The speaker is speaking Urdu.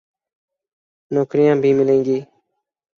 نوکریاں بھی ملیں گی۔